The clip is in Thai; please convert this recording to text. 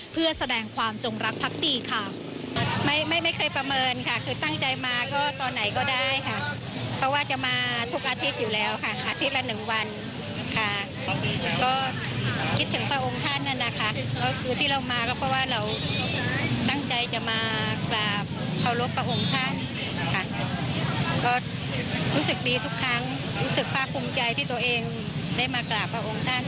เพื่อแสดงความจงรักพักดีค่ะ